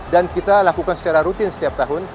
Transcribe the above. dan kita lakukan secara rutin setiap tahun